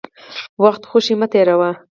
وخت خوشي مه تېروئ.